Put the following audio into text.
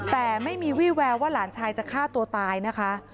แต่ไม่มีวี่แววว่าหลานชายจะฆ่าตัวตายนะคะ